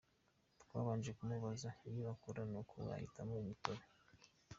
Twabanje kumubaza iyo akora nuko we ahitamo ‘Imitobe’”.